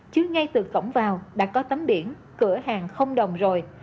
chứ ngay từ cổng vào đã có tấm biển cửa hàng không đồng rồi